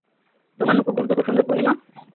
তোমার নূপুরগুলো তো খুব সুন্দর, পূর্ণিমা।